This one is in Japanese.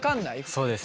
そうですね。